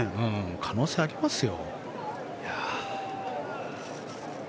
可能性ありますよ。